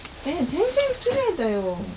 え全然きれいだよ。